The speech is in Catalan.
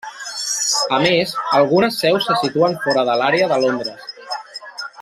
A més algunes seus se situen fora de l'àrea de Londres.